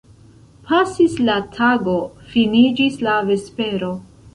Pasis la tago, finiĝis la vespero.